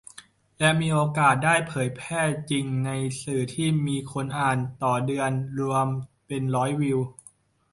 และมีโอกาสได้เผยแพร่จริงในสื่อที่มีคนอ่านต่อเดือนรวมเป็นล้านวิว